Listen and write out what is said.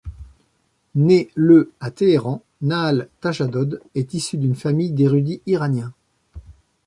Née le à Téhéran, Nahal Tajadod est issue d'une famille d'érudits iraniens.